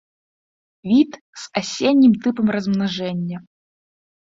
Від з асеннім тыпам размнажэння.